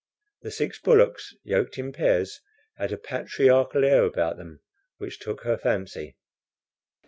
The six bullocks, yoked in pairs, had a patriarchal air about them which took her fancy.